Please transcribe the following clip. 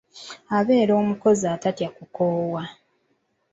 Abeere mukozi atatya kukoowa.